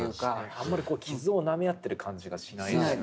あんまり傷をなめ合ってる感じがしないですよね。